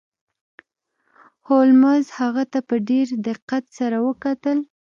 هولمز هغه ته په ډیر دقت سره وکتل.